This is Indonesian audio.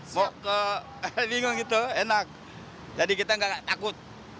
bingung itu enak jadi kita enggak takut